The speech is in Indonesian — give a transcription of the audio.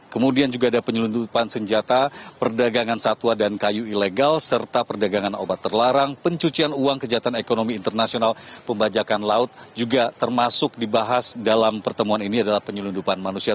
kemudian juga ada penyelundupan senjata perdagangan satwa dan kayu ilegal serta perdagangan obat terlarang pencucian uang kejahatan ekonomi internasional pembajakan laut juga termasuk dibahas dalam pertemuan ini adalah penyelundupan manusia